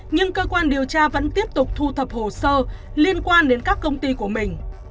nhưng cơ quan điều tra vẫn tiếp tục thu thập hồ sơ liên quan đến các công ty của mình